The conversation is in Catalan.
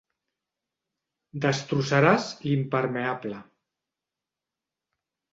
Destrossaràs l'impermeable.